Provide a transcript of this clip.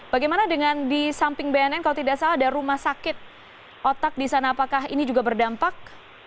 bagaimana dengan di samping bnn kalau tidak salah ada rumah sakit otak di sana apakah ini juga berdampak